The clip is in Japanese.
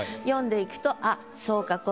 読んでいくとあっそうか